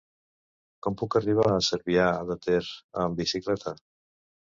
Com puc arribar a Cervià de Ter amb bicicleta?